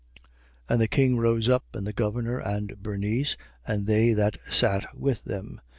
26:30. And the king rose up, and the governor and Bernice and they that sat with them.